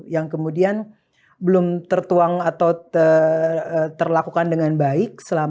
yang kemudian belum tertuang atau terlakukan dengan baik